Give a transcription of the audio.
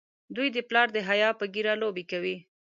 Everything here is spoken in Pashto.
دوی د پلار د حیا په ږیره لوبې کوي.